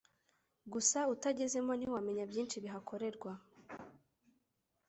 gusa utagezemo ntiwamenya byinshi bihakorerwa